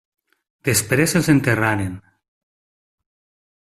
Després els enterraren.